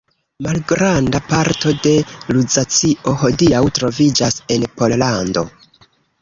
Malgranda parto de Luzacio hodiaŭ troviĝas en Pollando.